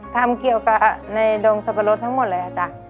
ทำเกี่ยวกับในดงสับปะรดทั้งหมดเลยอ่ะจ๊ะ